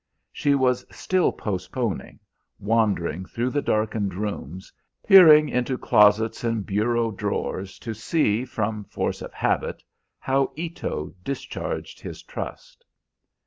She was still postponing, wandering through the darkened rooms, peering into closets and bureau drawers to see, from force of habit, how Ito discharged his trust.